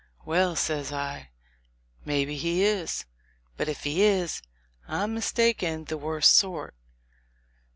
"Well," says I, "maybe he is ; but, if he is, I'm mistaken the worst sort.